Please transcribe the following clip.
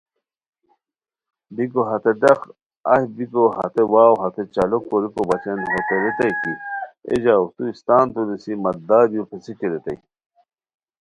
بیکو ہتے ڈاق اہی بیکو ہتے واؤ ہتے چالو کوریکو بچین ہوتے ریتائے کی اے ژاؤ تو ِاستانتو نیسی مت دار یو پیڅھے کی ریتائے